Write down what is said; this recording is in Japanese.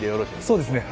そうですね。